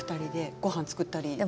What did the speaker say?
ごはんを作ったり。